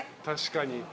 確かに。